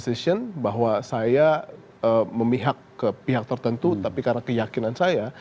jadi kalau mereka sudah membuat keputusan bahwa saya memihak ke pihak tertentu karena keyakinan saya